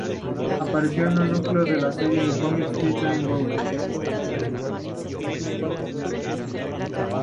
Apareció en un número de la serie de cómics Teen Titans Go!.